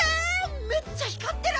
めっちゃひかってる！